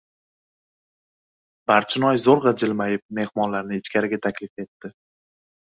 Barchinoy zo‘rg‘a jilmayib, mehmonlarni ichkariga taklif etdi.